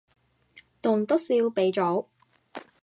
棟篤笑鼻祖